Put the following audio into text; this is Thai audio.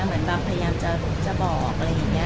เหมือนแบบพยายามจะบอกอะไรอย่างนี้